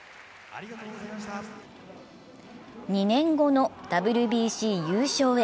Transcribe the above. ２年後のＷＢＣ優勝へ。